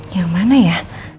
yang mana ya